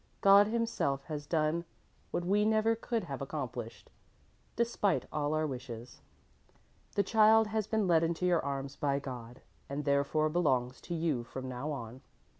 "God Himself has done what we never could have accomplished, despite all our wishes. The child has been led into your arms by God and therefore belongs to you from now on.